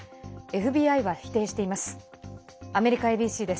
ＦＢＩは否定しています。